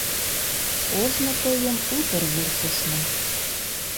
Ожно тыйым утыр вурсышна...